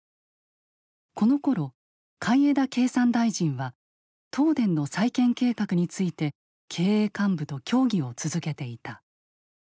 このころ海江田経産大臣は東電の再建計画について経営幹部と協議を続けていた。